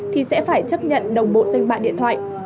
thì sẽ phải chấp nhận đồng bộ danh bạc điện thoại